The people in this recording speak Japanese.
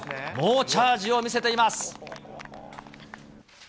猛チャージを見せています。